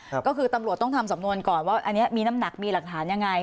ก็คือตำรวจต้องทำสำนวนก่อนว่าอันนี้มีน้ำหนักมีหลักฐานยังไง